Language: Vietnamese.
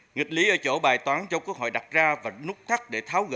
nghịch lý ở chỗ bài toán cho quốc hội đặt ra và nút thắt để tháo gỡ